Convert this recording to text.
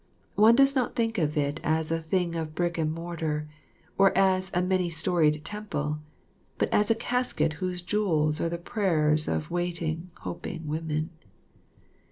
One does not think of it as a thing of brick and mortar, or as a many storied temple, but as a casket whose jewels are the prayers of waiting, hoping women.